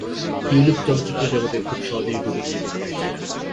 Tulip চলচ্চিত্র জগতে খুব সহজেই ঢুকে যেতে পেরেছিলেন।